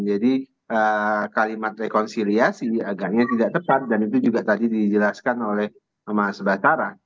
jadi kalimat rekonsiliasi agaknya tidak tepat dan itu juga tadi dijelaskan oleh mas batara